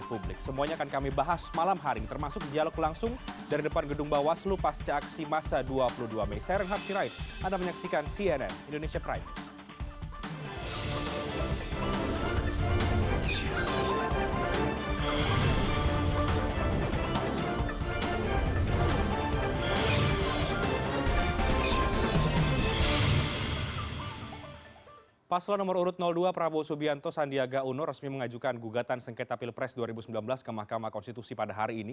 pasel nomor urut dua prabowo subianto sandiaga uno resmi mengajukan gugatan sengketa pilpres dua ribu sembilan belas ke mahkamah konstitusi pada hari ini